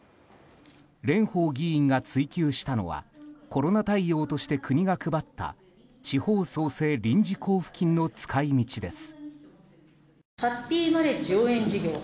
蓮舫議員が追及したのはコロナ対応として国が配った地方創生臨時交付金の使い道です。